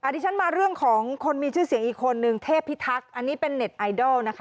ที่ฉันมาเรื่องของคนมีชื่อเสียงอีกคนนึงเทพิทักษ์อันนี้เป็นเน็ตไอดอลนะคะ